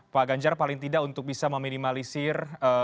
pak ganjar paling tidak untuk bisa meminimalisir